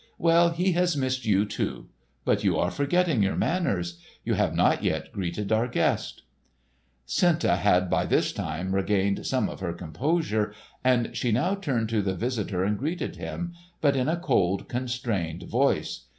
Well, he has missed you, too. But you are forgetting your manners. You have not yet greeted our guest." Senta had by this time regained some of her composure, and she now turned to the visitor and greeted him, but in a cold, constrained voice.